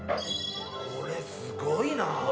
これすごいな。